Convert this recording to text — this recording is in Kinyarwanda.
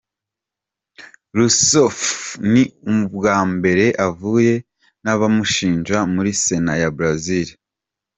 Rousseff ni ubwa mbere ahuye n’abamushinja muri Sena ya Brazil.